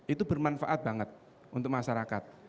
itu bermanfaat banget untuk masyarakat